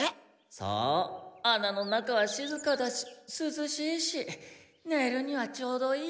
そうあなの中はしずかだしすずしいしねるにはちょうどいい。